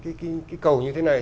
cái cầu như thế này